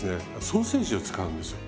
ソーセージを使うんですよ。